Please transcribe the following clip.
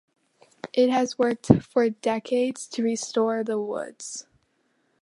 It has worked for decades to restore the woods.